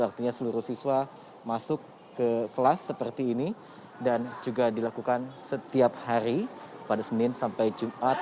artinya seluruh siswa masuk ke kelas seperti ini dan juga dilakukan setiap hari pada senin sampai jumat